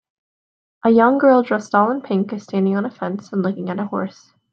A young girl dressed all in pink is standing on a fence and looking at a horse